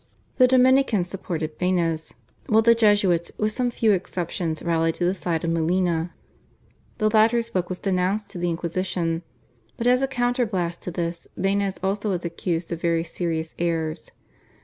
The Dominicans supported Banez, while the Jesuits with some few exceptions rallied to the side of Molina. The latter's book was denounced to the Inquisition, but as a counterblast to this Banez also was accused of very serious errors.